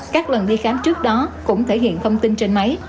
các lần đi khám trước đó cũng thể hiện thông tin trên máy